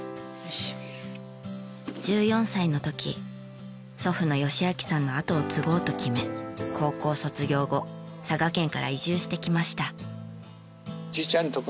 １４歳の時祖父の嘉明さんの後を継ごうと決め高校卒業後佐賀県から移住してきました。